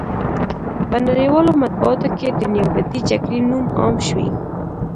په نړیوالو مطبوعاتو کې د نیابتي جګړې نوم عام شوی.